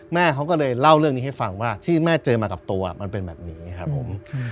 แม่เขาก็เลยเล่าเรื่องนี้ให้ฟังว่าที่แม่เจอมากับตัวมันเป็นแบบนี้ครับผม